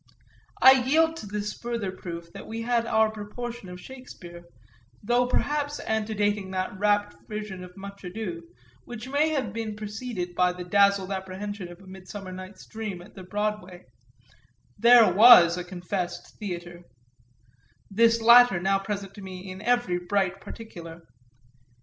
I yield to this further proof that we had our proportion of Shakespeare, though perhaps antedating that rapt vision of Much Ado, which may have been preceded by the dazzled apprehension of A Midsummer Night's Dream at the Broadway (there was a confessed Theatre;) this latter now present to me in every bright particular.